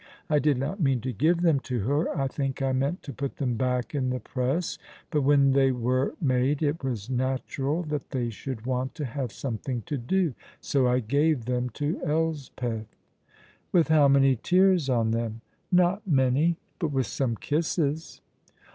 I did not mean to give them to her. I think I meant to put them back in the press, but when they were made it was natural that they should want to have something to do. So I gave them to Elspeth." "With how many tears on them?" "Not many. But with some kisses."